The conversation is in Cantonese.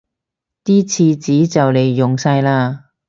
啲廁紙就黎用晒喇